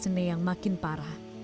sene yang makin parah